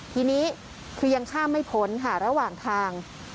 ทีนี้คือยังข้ามไม่พ้นค่ะระหว่างทาง